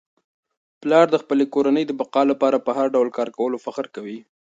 پلار د خپلې کورنی د بقا لپاره په هر ډول کار کولو فخر کوي.